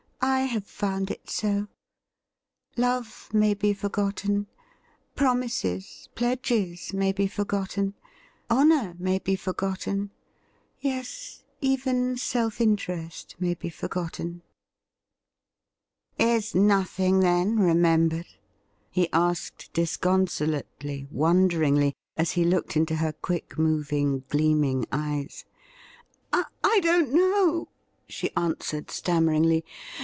'I have found it so. Love may be forgotten; promises, pledges, may be forgotten ; honour may be for gotten ; yes, even self interest may be forgotten ''' Is nothing, then, remembered f he asked disconsolately, wonderingly, as he looked into her quick moving, gleaming eyes. ' I don't know,' she answered stammeringly.